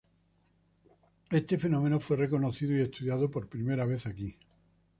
Este fenómeno fue reconocido y estudiado por primera vez aquí.